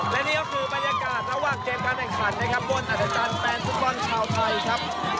และนี่ก็คือบรรยากาศระหว่างเกมการแบ่งขันบนอาจารย์จันทร์แฟนทุกบอลชาวไทยครับ